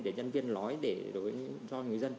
để nhân viên nói cho người dân